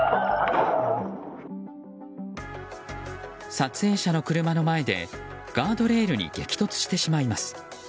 撮影者の車の前でガードレールに激突してしまいます。